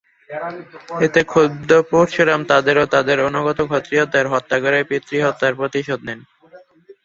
এতে ক্ষুব্ধ পরশুরাম তাদের ও তাদের অনুগত ক্ষত্রিয়দের হত্যা করে পিতৃহত্যার প্রতিশোধ নেন।